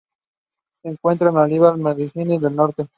Se encuentra en Albania y Macedonia del Norte.